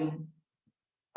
bahwa jasad yang ditemukan kemarin